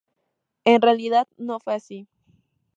En realidad no fue así.